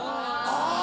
あぁ！